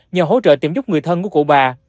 nhờ hỗ trợ tìm giúp người thân của cụ bà